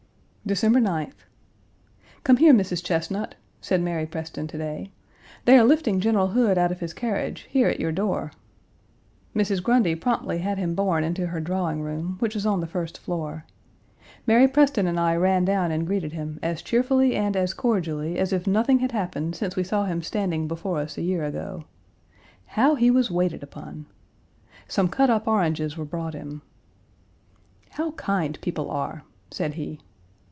December 9th. "Come here, Mrs. Chesnut," said Mary Preston to day, "they are lifting General Hood out of his carriage, here, at your door." Mrs. Grundy promptly had him borne into her drawing room, which was on the first floor. Mary Preston and I ran down and greeted him as cheerfully and as cordially as if nothing had happened since we saw him standing before us a year ago. How he was waited upon! Some cut up oranges were brought him. "How kind people are," said he.